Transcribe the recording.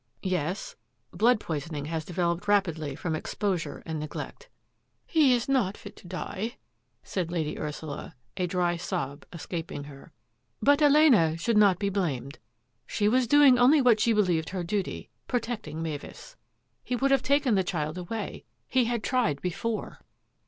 "" Yes ; blood poisoning has developed rapidly from exposure and neglect." " He is not fit to die," said Lady Ursula, a dry sob escaping her ;^^ but Elena should not be blamed ; she was doing only what she believed her duty, protecting Mavis. He would have taken the child away; he had tried before."